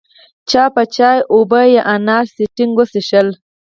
چا به چای، اوبه یا اناري سټینګ وڅښل.